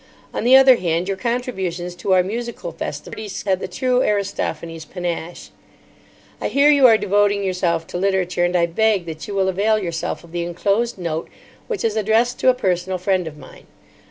On the other hand, your contributions to our musical festivities had the true Aristophanes panache. I hear you are devoting yourself to literature, and I beg that you will avail yourself of the enclosed note, which is addressed to a personal friend of mine.